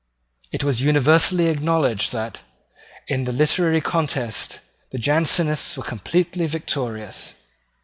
It was universally acknowledged that, in the literary contest, the Jansenists were completely victorious.